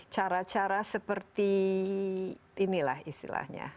cara cara seperti inilah istilahnya